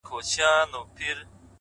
ته باغ لري پټى لرې نو لاښ ته څه حاجت دى،